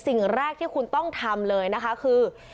สิ่งแรกที่คุณต้องทำเลยนะคะคือ